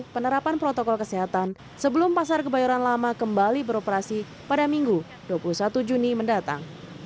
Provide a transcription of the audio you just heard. penerapan protokol kesehatan sebelum pasar kebayoran lama kembali beroperasi pada minggu dua puluh satu juni mendatang